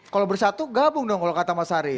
kalau bersatu gabung dong kalau kata mas ari